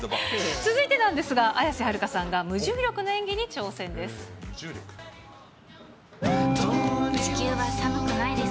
続いてなんですが、綾瀬はるかさんが無重力の演技に挑戦です。